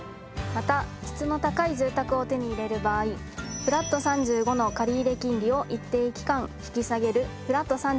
また質の高い住宅を手に入れる場合フラット３５の借入金利を一定期間引き下げるフラット３５